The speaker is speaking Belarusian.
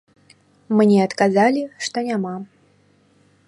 Мне адказалі, што няма.